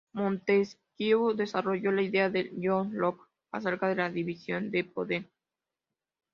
Montesquieu desarrolló las ideas de John Locke acerca de la división de poder.